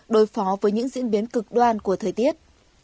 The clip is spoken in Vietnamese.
đối phó với những diễn biến cực đoan của thời tiết